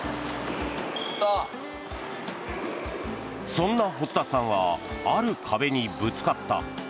そんな堀田さんはある壁にぶつかった。